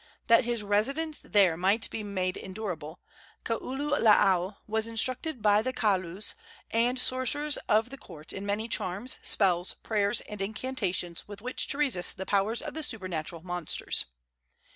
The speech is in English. That his residence there might be made endurable, Kaululaau was instructed by the kaulas and sorcerers of the court in many charms, spells, prayers and incantations with which to resist the powers of the supernatural monsters.